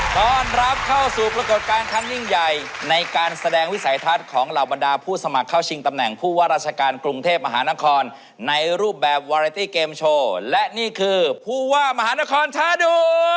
ต้อนรับเข้าสู่ปรากฏการณ์คำยิ่งใหญ่ในการแสดงวิสัยทัศน์ของเหล่าบรรดาผู้สมัครเข้าชิงตำแหน่งผู้ว่าราชการกรุงเทพมหานครในรูปแบบวาเรตี้เกมโชว์และนี่คือผู้ว่ามหานครชาโด